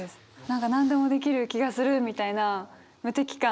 何かなんでもできる気がするみたいな無敵感。